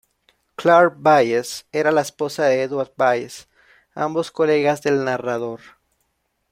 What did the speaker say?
Clare Bayes era la esposa de Edward Bayes, ambos colegas del narrador.